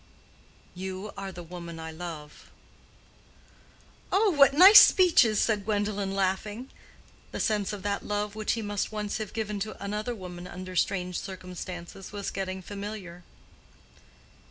"You are the woman I love." "Oh, what nice speeches!" said Gwendolen, laughing. The sense of that love which he must once have given to another woman under strange circumstances was getting familiar.